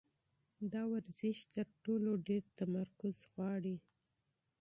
دا ورزش تر ټولو ډېر تمرکز غواړي.